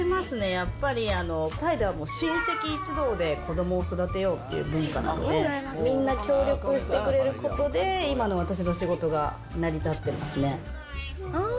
やっぱり、タイではもう親戚一同で子どもを育てようっていう文化があって、みんなが協力してくれることで、今の私の仕事が成り立ってますね。